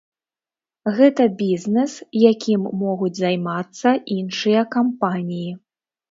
Гэта бізнес, якім могуць займацца іншыя кампаніі.